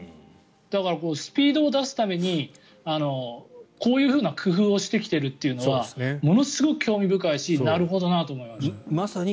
だからスピードを出すためにこういう工夫をしてきてるというのはものすごく興味深いしなるほどなと思いました。